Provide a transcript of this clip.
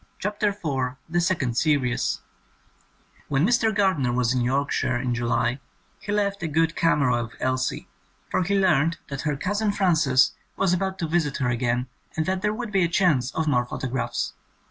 92 CHAPTER IV THE SECOND SERIES When Mr. Gardner was in Yorkshire in July, he left a good camera with Elsie, for he learned that her cousin Frances was about to visit her again and that there would be a chance of more photographs.